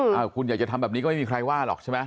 คุณอยากจะทำแบบนี้ก็ไม่มีใครว่าหรอกใช่ไหม